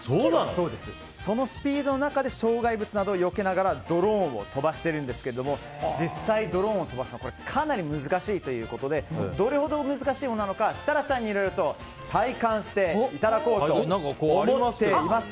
そのスピードの中で障害物などをよけながらドローンを飛ばしてるんですけども実際、ドローンを飛ばすのはかなり難しいということでどれほど難しいものなのか設楽さんにいろいろと体感していただこうと思っています。